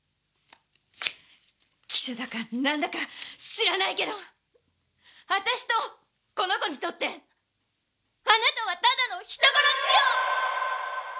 記者だか何だか知らないけど私とこの子にとってあなたはただの人殺しよ！！